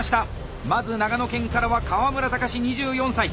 まず長野県からは川村岳２４歳。